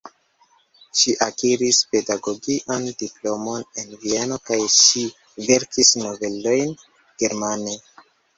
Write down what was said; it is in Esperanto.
Ŝi akiris pedagogian diplomon en Vieno kaj ŝi verkis novelojn germane.